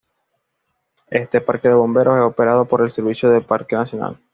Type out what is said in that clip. Este parque de bomberos es operado por el Servicio del Parque Nacional.